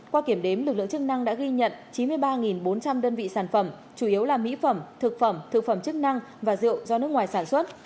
qua kiểm đếm lực lượng chức năng đã ghi nhận chín mươi ba bốn trăm linh đơn vị sản phẩm chủ yếu là mỹ phẩm thực phẩm thực phẩm chức năng và rượu do nước ngoài sản xuất